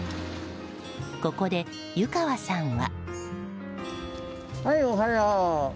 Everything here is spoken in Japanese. ここで、湯川さんは。